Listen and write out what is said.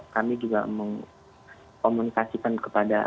kami juga mengkomunikasikan kepada